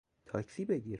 تاکسی بگیر